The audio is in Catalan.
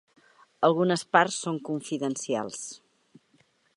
Algunes parts són confidencials.